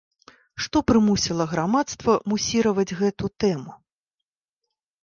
Што прымусіла грамадства мусіраваць гэту тэму?